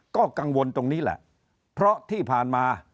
ก็กังวลตรงนี้แหละเพราะที่ผ่านมา